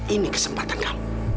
ini kesempatan kamu